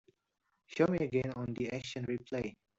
Show me again on the action replay